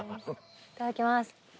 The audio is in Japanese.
いただきます。